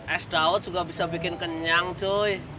es daud juga bisa bikin kenyang cuy